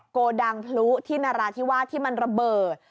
โกดังพลุที่นราธิวาสที่มันระเบิด